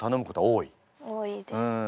多いです。